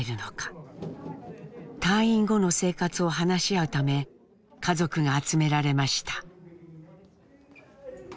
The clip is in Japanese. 退院後の生活を話し合うため家族が集められました。